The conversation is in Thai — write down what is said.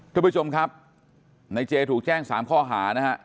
ทุกผู้ชมครับในเจถูกแจ้ง๓ข้อหานะฮะ